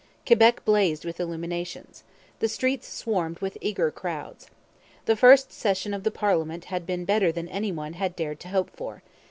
Quebec blazed with illuminations. The streets swarmed with eager crowds. The first session of the first parliament had been better than any one had dared to hope for.